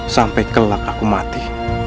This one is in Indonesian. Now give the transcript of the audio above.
sampai kelak aku mati